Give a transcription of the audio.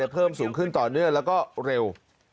เพิ่มสูงขึ้นต่อเนื่องแล้วก็เร็ว